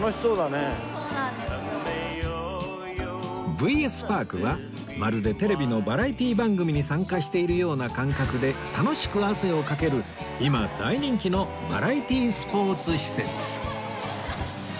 ＶＳＰＡＲＫ はまるでテレビのバラエティ番組に参加しているような感覚で楽しく汗をかける今大人気のバラエティスポーツ施設